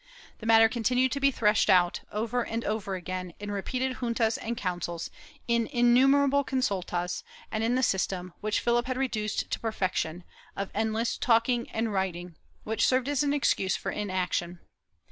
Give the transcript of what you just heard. The matter continued to be threshed out, over and over again, in repeated juntas and councils, in innumerable consultas, and in the system, which Philip had reduced to perfection, of endless talking and writing, which served as an excuse for inaction.